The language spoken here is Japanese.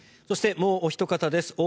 そしてもうおひと方です。